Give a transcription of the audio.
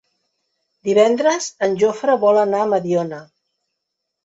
Divendres en Jofre vol anar a Mediona.